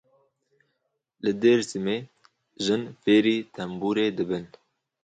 Li Dêrsimê jin fêrî tembûrê dibin.